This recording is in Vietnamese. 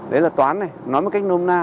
đấy là toán này nói một cách nôm na